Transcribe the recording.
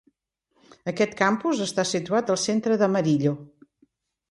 Aquest campus està situat al centre d'Amarillo.